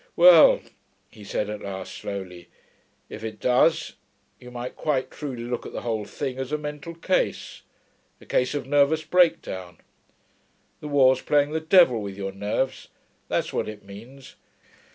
'Well,' he said at last, slowly, 'if it does, you might quite truly look at the whole thing as a mental case; a case of nervous breakdown. The war's playing the devil with your nerves that's what it means.